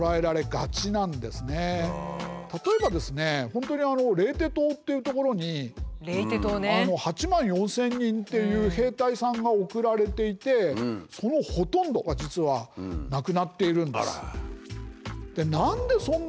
本当にレイテ島っていう所に８万４，０００人っていう兵隊さんが送られていてそのほとんどが実は亡くなっているんです。